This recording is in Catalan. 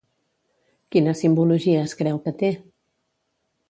Quina simbologia es creu que té?